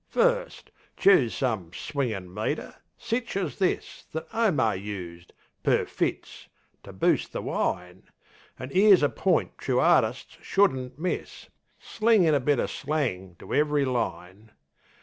First, choose some swingin' metre, sich as this, That Omar used per Fitz to boost the wine. An' 'ere's a point true artists shouldn't miss: Sling in a bit o' slang to ev'ry line.